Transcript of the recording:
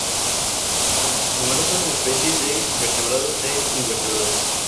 Fauna: Numerosas especies de vertebrados e invertebrados.